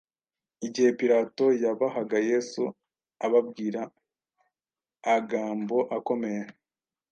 Igihe Pilato yabahaga Yesu ababwira aagambo akomeye